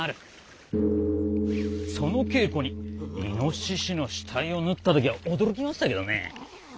その稽古にイノシシの死体を縫ったときは驚きましたけどね。